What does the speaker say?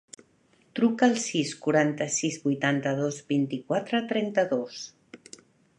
Truca al sis, quaranta-sis, vuitanta-dos, vint-i-quatre, trenta-dos.